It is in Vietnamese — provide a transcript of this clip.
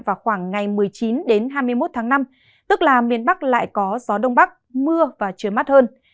vào khoảng ngày một mươi chín hai mươi một tháng năm tức là miền bắc lại có gió đông bắc mưa và trời mát hơn